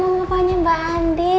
ada mengupahnya mbak andin